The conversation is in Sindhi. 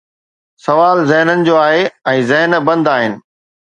سوال ذهنن جو آهي ۽ ذهن بند آهن.